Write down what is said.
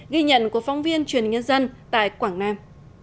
ghi nhận của phóng viên truyền nhân dân tại quảng nam